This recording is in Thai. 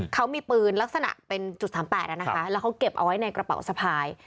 เขามีปืนลักษณะเป็น๓๘แล้วเขาเก็บไว้ในกระเป๋าสภาย